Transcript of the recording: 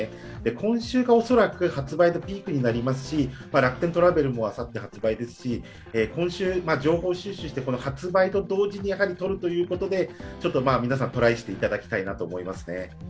今週が恐らく発売のピークになりますし、楽天トラベルもあさって発売ですし、今週、情報収集して、発売と同時に取るということで皆さんトライしていただきたいなと思いますね。